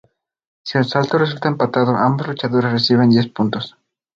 Si el asalto resulta empatado, ambos luchadores reciben diez puntos.